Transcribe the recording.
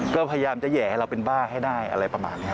ก็พยายามจะแห่ให้เราเป็นบ้าให้ได้อะไรประมาณนี้